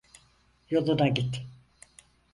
Yoluna git.